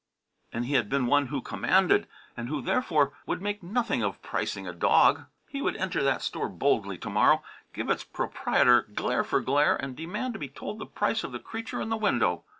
And he had been one who commanded, and who, therefore, would make nothing of pricing a dog. He would enter that store boldly to morrow, give its proprietor glare for glare, and demand to be told the price of the creature in the window.